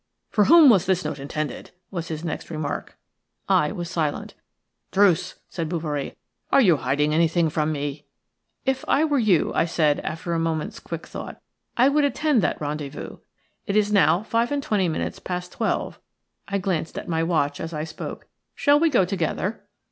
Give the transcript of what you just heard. "For whom was this note intended?" was his next remark. I was silent. "Druce," said Bouverie, "are you hiding anything from me?" "If I were you," I said, after a moment's quick thought, "I would attend that rendezvous. It is now five and twenty minutes past twelve" – I glanced at my watch as I spoke – "shall we go together?"